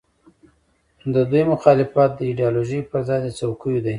د دوی مخالفت د ایډیالوژۍ پر ځای د څوکیو دی.